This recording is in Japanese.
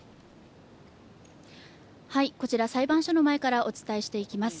こちら、裁判所の前からお伝えしていきます。